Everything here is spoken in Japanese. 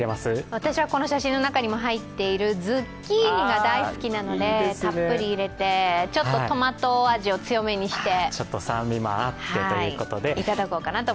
私はこの写真の中にも入っているズッキーニが大好きなのでたっぷり入れて、ちょっとトマト味を強めにしていただこうかなと。